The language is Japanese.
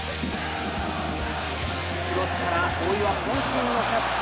クロスから、大岩、こん身のキャッチ！